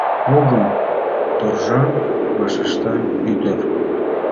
— Огым!!! — торжан вашешта ӱдыр.